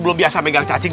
belum biasa moyang cacing